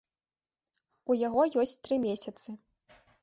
У яго ёсць тры месяцы.